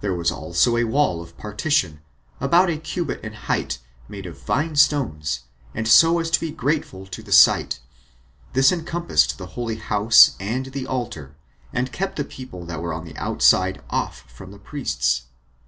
There was also a wall of partition, about a cubit in height, made of fine stones, and so as to be grateful to the sight; this encompassed the holy house and the altar, and kept the people that were on the outside off from the priests.